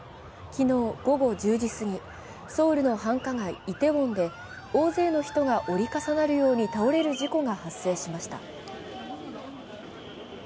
昨日午後１０時すぎ、ソウルの繁華街・イテウォンで大勢の人が折り重なるように倒れる事故が発生しました。